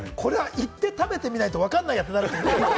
行って食べてみないとわからないやつだ。